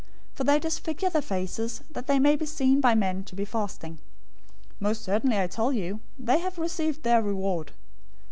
For they disfigure their faces, that they may be seen by men to be fasting. Most certainly I tell you, they have received their reward.